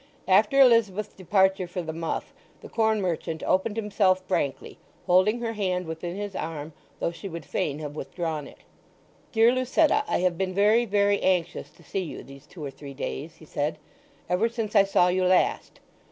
After Elizabeth's departure for the muff the corn merchant opened himself frankly, holding her hand within his arm, though she would fain have withdrawn it. "Dear Lucetta, I have been very, very anxious to see you these two or three days," he said, "ever since I saw you last!